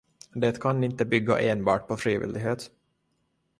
Det kan inte bygga enbart på frivillighet.